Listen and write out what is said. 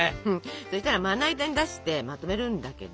そしたらまな板に出してまとめるんだけど。